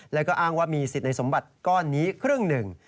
แล้วก็อ้างว่ามีสิทธิ์ในสมบัติก้อนนี้ครึ่งหนึ่ง